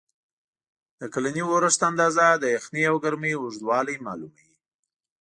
د کلني اورښت اندازه، د یخنۍ او ګرمۍ اوږدوالی معلوموي.